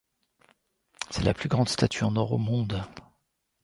C'est la plus grande statue en or au monde.